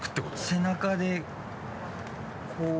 背中でこう。